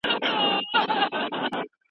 ځینې وختونه پایلې زموږ د هیلو خلاف وي.